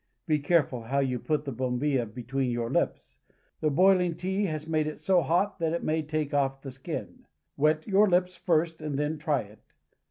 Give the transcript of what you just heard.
Be careful how you put the bombilla between your lips. The boiHng tea has made it so hot that it may take off the skin. Wet your Hps first and then try it.